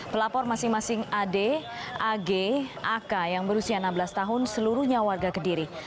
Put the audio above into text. pelapor masing masing ad ag ak yang berusia enam belas tahun seluruhnya warga kediri